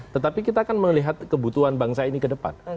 tetapi kita kan melihat kebutuhan bangsa ini ke depan